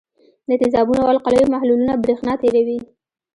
د تیزابونو او القلیو محلولونه برېښنا تیروي.